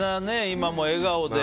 今も笑顔で